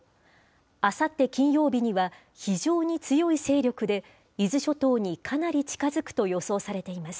あさって金曜日には、非常に強い勢力で、伊豆諸島にかなり近づくと予想されています。